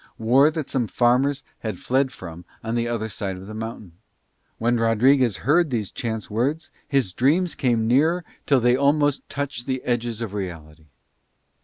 War that some farmers had fled from on the other side of the mountain. When Rodriguez heard these chance words his dreams came nearer till they almost touched the edges of reality.